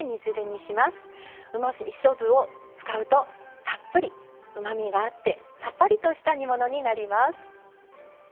うまみそ酢を使うとたっぷりうまみがあってさっぱりとした煮物になります。